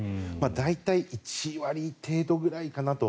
大体、１割程度くらいかなと。